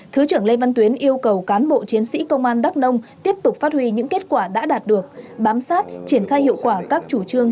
thứ trưởng lê văn tuyến yêu cầu cán bộ chiến sĩ công an đắk nông tiếp tục phát huy những kết quả đã đạt được bám sát triển khai hiệu quả các chủ trương